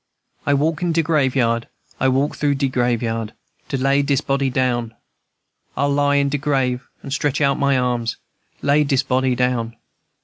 I'll walk in de graveyard, I'll walk through de graveyard, To lay dis body down. I'll lie in de grave and stretch out my arms; Lay dis body down.